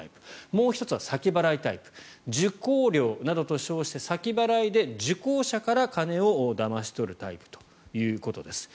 もう１つは先払いタイプ受講料などと称して先払いで受講者から金をだまし取るタイプということです。